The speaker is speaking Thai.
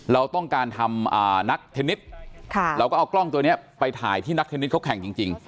เราต้องการทำนักเทนนิสเราก็เอากล้องตัวนี้ไปถ่ายที่นักเทนนิสเขาแข่งจริง